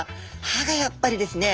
歯がやっぱりですね。